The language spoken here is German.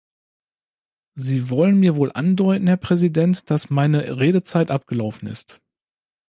Sie wollen mir wohl andeuten, Herr Präsident, dass meine Redezeit abgelaufen ist.